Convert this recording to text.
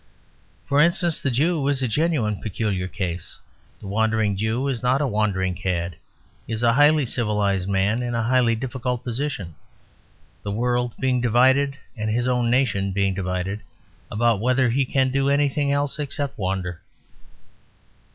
For instance, the Jew is a genuine peculiar case. The Wandering Jew is not a wandering cad. He is a highly civilised man in a highly difficult position; the world being divided, and his own nation being divided, about whether he can do anything else except wander.